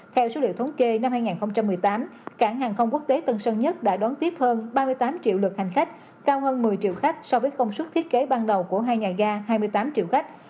theo số liệu thống kê năm hai nghìn một mươi tám cảng hàng không quốc tế tân sơn nhất đã đón tiếp hơn ba mươi tám triệu lượt hành khách cao hơn một mươi triệu khách so với công suất thiết kế ban đầu của hai nhà ga hai mươi tám triệu khách